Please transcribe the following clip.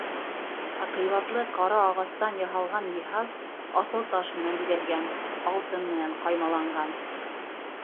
Ә ҡыйбатлы ҡара ағастан яһалған йыһаз аҫылташ менән биҙәлгән, алтын менән ҡаймаланған.